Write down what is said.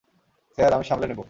Sir, আমি সামলে নেব।